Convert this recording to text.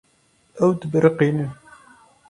Ew dibiriqînin.